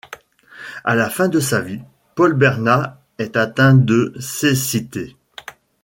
À la fin de sa vie, Paul Berna est atteint de cécité.